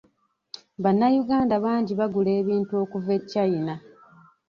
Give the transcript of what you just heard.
Bannayuganda bangi bagula ebintu okuva e China.